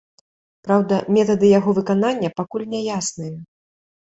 Праўда, метады яго выканання пакуль няясныя.